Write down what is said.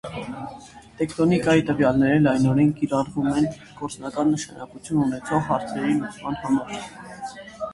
Տեկտոնիկայի տվյալները լայնորեն կիրառվում են գործնական նշանակություն ունեցող հարցերի լուծման համար։